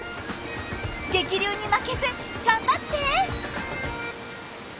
激流に負けず頑張って！